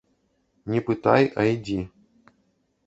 Не пытай, а ідзі.